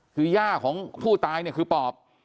คือหญ้าของผู้ตายคือปอบ